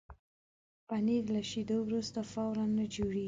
پنېر له شیدو وروسته فوراً نه جوړېږي.